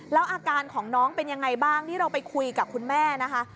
แล้วอาการของน้องเป็นยังไงบ้างนี่เราไปคุยกับคุณแม่นะคะ